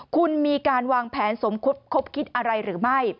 คุณมีการวางแผนสมคบคิดอะไรหรือไม่